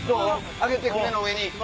上げて船の上に。